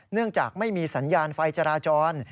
เนื่องจากไม่มีสัญญาณไฟจราจร